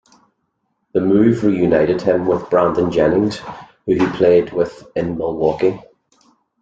The move reunited him with Brandon Jennings, who he played with in Milwaukee.